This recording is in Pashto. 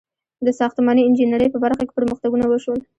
• د ساختماني انجینرۍ په برخه کې پرمختګونه وشول.